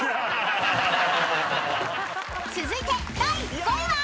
［続いて第５位は？］